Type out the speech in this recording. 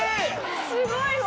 すごいわ。